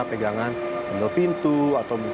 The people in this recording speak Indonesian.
pegangan jendol pintu